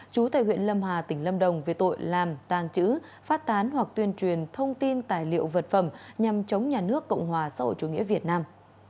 chú tại huyện lâm hà tỉnh lâm đồng về tội làm tàng trữ phát tán hoặc tuyên truyền thông tin tài liệu vật phẩm nhằm chống nhà nước cộng hòa xã hội chủ nghĩa việt nam